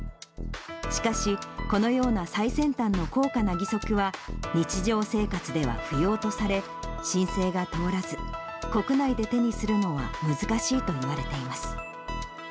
しかし、このような最先端の高価な義足は、日常生活では不要とされ、申請が通らず、国内で手にするのは難しいといわれています。